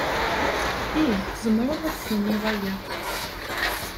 Ih, tzemreḍ ad d-tiniḍ aya.